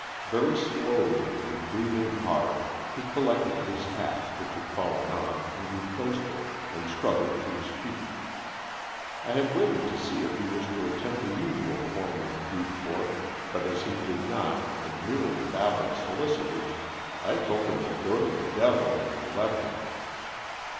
Very slowly, and breathing hard, he collected his hat, which had fallen off, and replaced it, and struggled to his feet. I had waited to see if he wished to attempt the usual form of retort, but as he did not, and merely babbled solicitors, I told him to go to the devil, and left him.